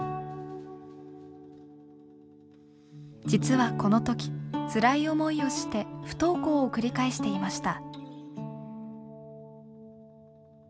実はこの時つらい思いをして不登校を繰り返していました。